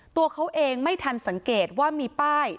ตัวเขาเองไม่ทันสังเกตว่ามีป้าย